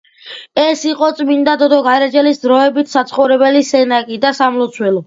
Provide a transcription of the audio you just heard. ეს იყო წმინდა დოდო გარეჯელის დროებითი საცხოვრებელი სენაკი და სამლოცველო.